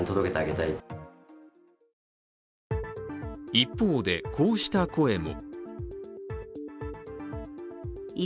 一方で、こうした声も。